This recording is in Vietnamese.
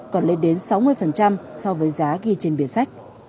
còn lên đến sáu mươi so với giá ghi trên biển sách